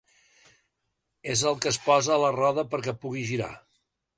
És el que es posa a la roda perquè pugui girar.